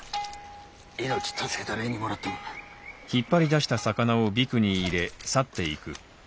命助けた礼にもらっとく。